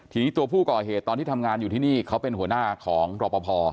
ทีนี้ตัวผู้ก่อเหตุตอนที่ทำงานอยู่ที่นี่เขาเป็นหัวหน้าของรอปภ